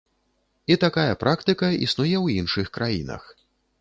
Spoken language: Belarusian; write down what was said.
І такая практыка існуе ў іншых краінах.